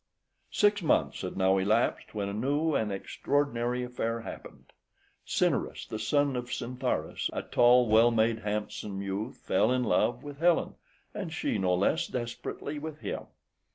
Six months had now elapsed, when a new and extraordinary affair happened. Cinyrus, the son of Scintharus, a tall, well made, handsome youth, fell in love with Helen, and she no less desperately with him.